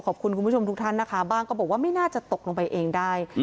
คุณผู้ชมทุกท่านนะคะบ้างก็บอกว่าไม่น่าจะตกลงไปเองได้